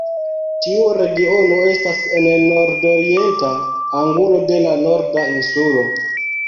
Tiu regiono estas en nordorienta angulo de la Norda Insulo.